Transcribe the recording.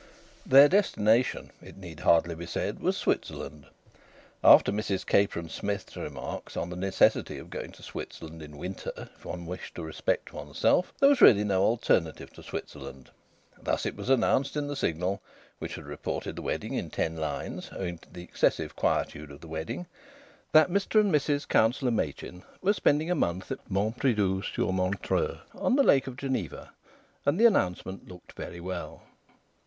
Their destination, it need hardly be said, was Switzerland. After Mrs Capron Smith's remarks on the necessity of going to Switzerland in winter if one wished to respect one's self, there was really no alternative to Switzerland. Thus it was announced in the Signal (which had reported the wedding in ten lines, owing to the excessive quietude of the wedding) that Mr and Mrs Councillor Machin were spending a month at Mont Pridoux, sur Montreux, on the Lake of Geneva. And the announcement looked very well.